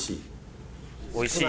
「おいしい」。